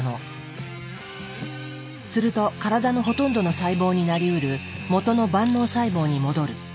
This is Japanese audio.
すると体のほとんどの細胞になりうる元の万能細胞に戻る。